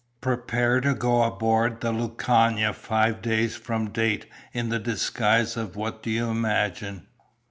"Prepare to go aboard the Lucania five days from date in the disguise of what do you imagine?"